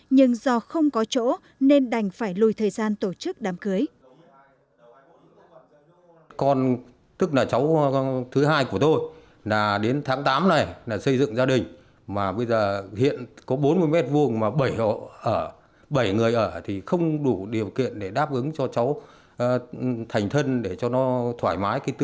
nhưng do không có chỗ nên đành phải lùi thời gian tổ chức đám cưới